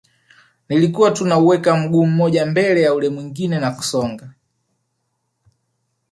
Nilikuwa tu nauweka mguu mmoja mbele ya ule mwingine na kusonga